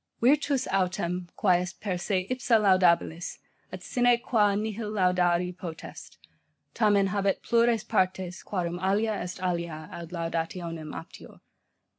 'Virtus autem, quae est per se ipsa laudabilis, et sine qua nihil laudari potest, tamen habet plures partes, quarum alia est alia ad laudationem aptior.